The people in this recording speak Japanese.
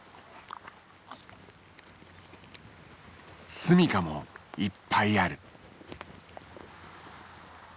住みかもいっぱいある。